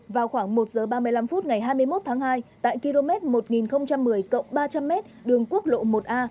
vào khoảng một giờ ba mươi năm phút ngày hai mươi một tháng hai tại km một nghìn một mươi ba trăm linh m đường quốc lộ một a